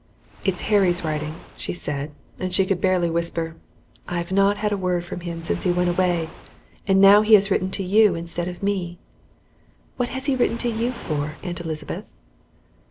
"It's Harry's writing," said she, and she could barely whisper. "I have not had a word from him since he went away, and now he has written to you instead of me. What has he written to you for, Aunt Elizabeth?"